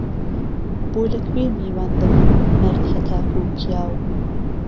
بۆ له کوێ میوان دهبن مهرد هه تاکو پیاو